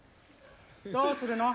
どうするの？